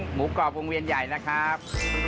กรอบวงเวียนใหญ่นะครับ